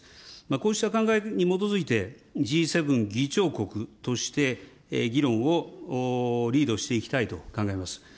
こうした考えに基づいて、Ｇ７議長国として議論をリードしていきたいと考えます。